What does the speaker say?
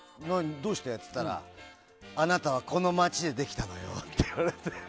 どうしてって言ったらあなたはこの街でできたのよって言われて。